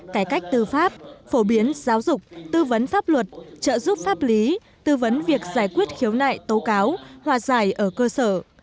cải cách tư pháp phổ biến giáo dục tư vấn pháp luật trợ giúp pháp lý tư vấn việc giải quyết khiếu nại tố cáo hòa giải ở cơ sở